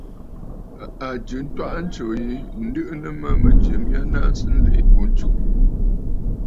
A jɨ ntwaʼa ntsǔ yi, ǹdɨʼɨ nɨ mə mɨ̀jɨ mya naŋsə nlìì ghu ntsù.